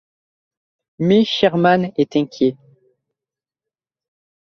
Mais Sherman est inquiet.